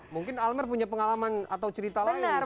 mungkin almer punya pengalaman atau cerita lain soal kompetisi ini